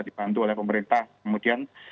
dibantu oleh pemerintah kemudian